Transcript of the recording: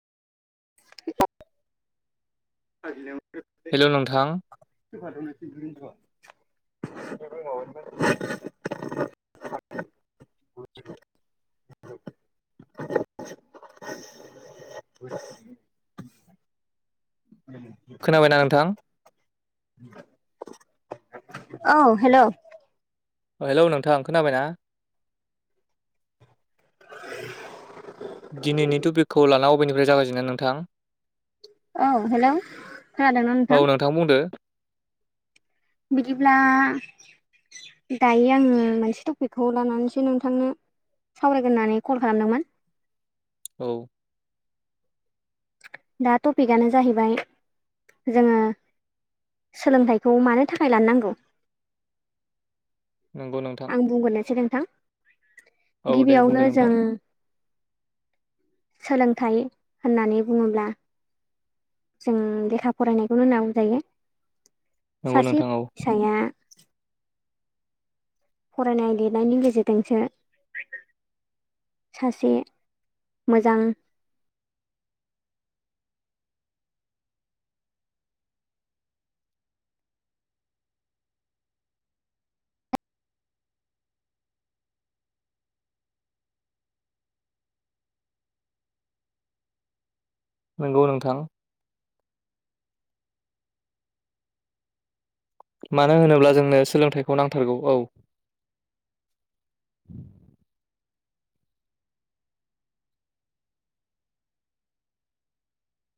हेल' नोंथां [unintelligible] [unintelligible] [unintelligible] खोनाबायना नोंथां? [unintelligible] औ हेल' हेलौ नोंथाङा आं खोनाबायना? दिनैनि थपिकखौ लाना अबेनिफ्राय जागायजेनो नोंथां? औ हेलौ खोनादोंना औ नोंथां? बुंदो बिदिब्ला दायो आङो मोनसे टपिकखौ लानानैसै नोंथांनो‌ सावरायगोन होननानै कल खालामदोंमोन। औ। दा टपिकआनो जाहैबाय जोङो सोलोंथाइखौ मानो थाखाय लानो नांगौ। [inaudible] नोंथां आं बुंग्रोनोसै नोंथां औ दे बुंदो गिबियावनो जों नोंथां सोलोंथाइ होननानै बुङोब्ला जों लेखा फरायनायखौनो होनना बुंजायो। नंगौ सासे नोंथां औ फिसाया फरायनाय लिरनायनि गेजेरजोंसो सासे मोजां नंगौ नोंथां। मानो होनोब्ला जोंनो सोलोंथायाइखौ नांथारगौ औ। [inaudible]